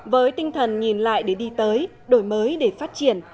với tinh thần nhìn lại để đi tới đổi mới để phát triển